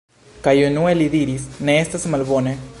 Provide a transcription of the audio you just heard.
Kaj unue li diris: "Ne estas malbone".